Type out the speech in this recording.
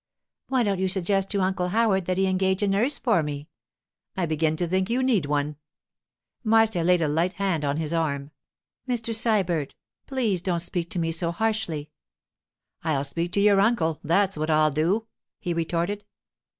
'Why don't you suggest to Uncle Howard that he engage a nurse for me?' 'I begin to think you need one!' Marcia laid a light hand on his arm. 'Mr. Sybert, please don't speak to me so harshly.' 'I'll speak to your uncle—that's what I'll do,' he retorted.